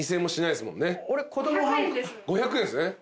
５００円ですね。